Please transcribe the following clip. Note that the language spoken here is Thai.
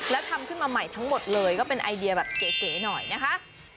แล้วทำขึ้นมาใหม่ทั้งหมดเลยก็เป็นไอเดียแบบเก๋หน่อยนะคะ